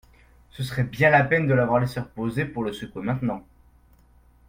Ce serait bien la peine de l’avoir laissé reposer pour le secouer maintenant.